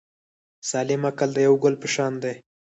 سالم عقل د یو ګل په شان دی.